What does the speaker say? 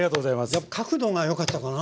やっぱ角度がよかったかなあ。